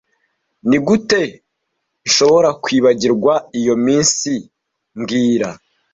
Nigute nshobora kwibagirwa iyo minsi mbwira